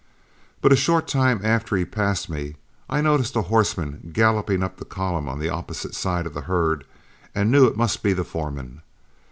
But a short time after he passed me I noticed a horseman galloping up the column on the opposite side of the herd, and knew it must be the foreman.